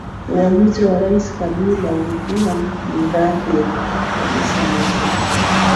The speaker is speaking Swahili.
uamuzi wa rais kabila ulikuwa nidhahiri kabisa muziki